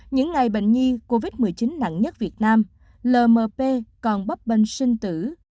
những ngày bệnh nhi covid một mươi chín nặng nhất việt nam lmp còn bóp bệnh sinh tử